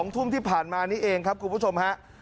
๒ทุ่มที่ผ่านมานี้เองครับคุณผู้ชมฮะ